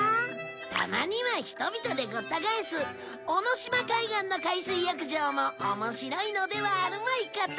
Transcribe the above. たまには人々でごった返す尾の島海岸の海水浴場も面白いのではあるまいかと。